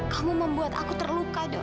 kamu membuat aku terluka dok